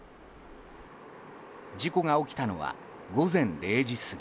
事故が起きたのは午前０時過ぎ。